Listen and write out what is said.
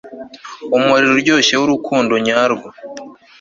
Umuriro uryoshye wurukundo nyarwo